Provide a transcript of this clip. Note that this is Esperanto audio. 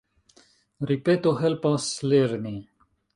Ripeto helpas lerni.